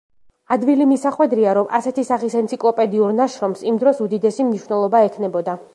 ადვილი მისახვედრია, რომ ასეთი სახის ენციკლოპედიურ ნაშრომს იმ დროს უდიდესი მნიშვნელობა ექნებოდა.